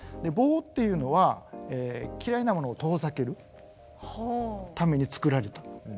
棒っていうのは嫌いなものを遠ざけるためにつくられた。